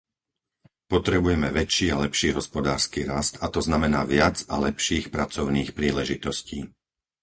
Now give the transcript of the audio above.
Potrebujeme väčší a lepší hospodársky rast a to znamená viac a lepších pracovných príležitostí.